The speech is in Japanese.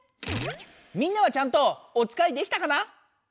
みんなはちゃんとおつかいできたかな？